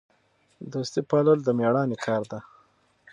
دوستي پالل د میړانې کار دی.